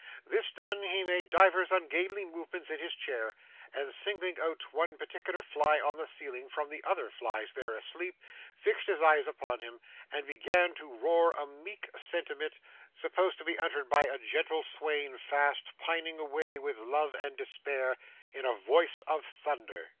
This done, he made divers ungainly movements in his chair, and singling out one particular fly on the ceiling from the other flies there asleep, fixed his eyes upon him, and began to roar a meek sentiment (supposed to be uttered by a gentle swain fast pining away with love and despair) in a voice of thunder.